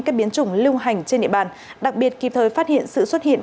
các biến chủng lưu hành trên địa bàn đặc biệt kịp thời phát hiện sự xuất hiện